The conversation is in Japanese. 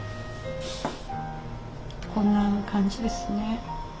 こんな感じですね。